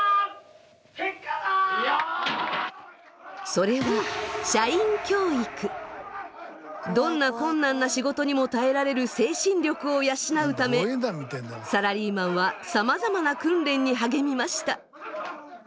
それはどんな困難な仕事にも耐えられる精神力を養うためサラリーマンはさまざまな訓練に励みました。